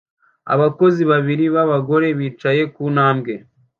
Abakozi babiri b'abagore bicaye ku ntambwe